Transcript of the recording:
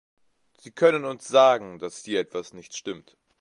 Sie können uns sagen, dass hier etwas nicht stimmt.